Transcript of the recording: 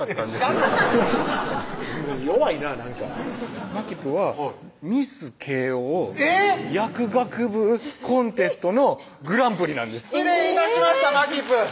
知らんがな弱いななんかまきぷはミス慶應薬学部コンテストのグランプリなんです失礼致しましたまきぷ！